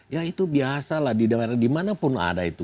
ya itu biasa lah di daerah dimanapun ada itu